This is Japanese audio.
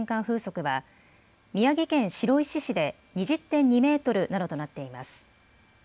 風速は宮城県白石市で２０．２メートルなどとなっています。